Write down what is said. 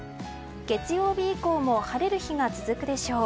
月曜日以降も晴れる日が続くでしょう。